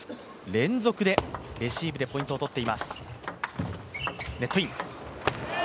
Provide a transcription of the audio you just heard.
連続でレシーブでポイントを取っています。